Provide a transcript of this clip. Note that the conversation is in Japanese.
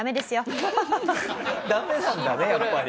ダメなんだねやっぱり。